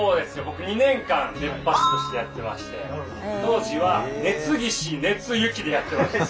僕２年間熱波師としてやってまして当時は「熱岸熱行」でやってました。